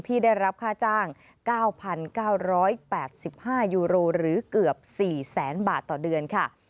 ที่ได้รับค่าจ้าง๙๙๘๕ยูโรหรือเกือบ๔แสนบาทต่อเดือนค่ะ